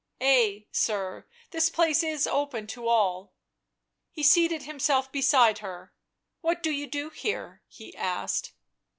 "Ay, sir, this place is open to all." He seated himself beside her. " What do you do here ?" he asked.